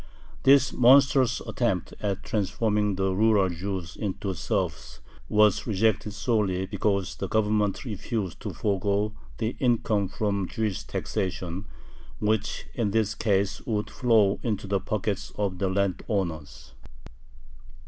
This monstrous attempt at transforming the rural Jews into serfs was rejected solely because the Government refused to forego the income from Jewish taxation, which in this case would flow into the pockets of the landowners.